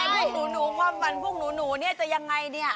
แมนพวกหนูพอปรรันพวกหนูจะยังไงเนี่ย